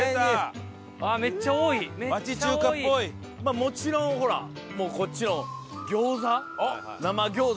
もちろんほらこっちの餃子。